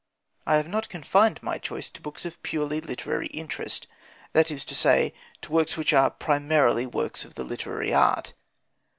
I have not confined my choice to books of purely literary interest that is to say, to works which are primarily works of literary art.